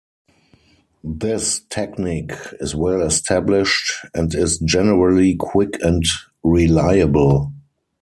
This technique is well established and is generally quick and reliable.